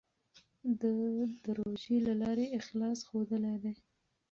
ده د روژې له لارې اخلاص ښودلی دی.